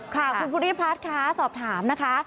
คุณพุทธิพลัทธิ์คะสอบถามนะคะ